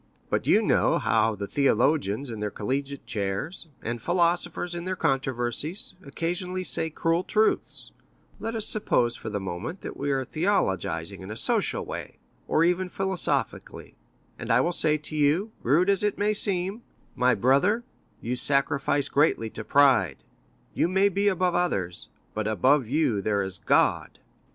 But you know how the theologians in their collegiate chairs, and philosophers in their controversies, occasionally say cruel truths; let us suppose for the moment that we are theologizing in a social way, or even philosophically, and I will say to you, rude as it may seem, 'My brother, you sacrifice greatly to pride; you may be above others, but above you there is God.